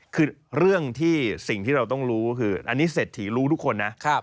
คือเรื่องที่สิ่งที่เราต้องรู้คืออันนี้เศรษฐีรู้ทุกคนนะ